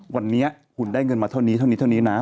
วันนี้คุณได้เงินมาเท่านี้เท่านี้เท่านี้นะ